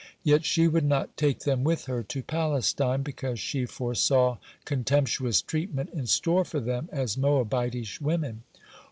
(42) Yet she would not take them with her to Palestine, because she foresaw contemptuous treatment in store for them as Moabitish women.